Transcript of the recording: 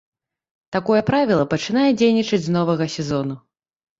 Такое правіла пачынае дзейнічаць з новага сезону.